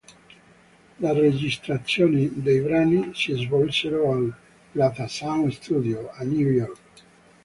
Le registrazioni dei brani si svolsero al "Plaza Sound Studio" a New York.